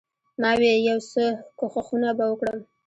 ما وې يو څه کښښونه به وکړم.